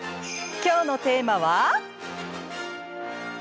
きょうのテーマは。